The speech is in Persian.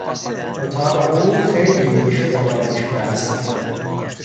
اتاق او خیلی ریخته واریخته است.